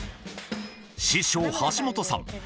師匠橋本さん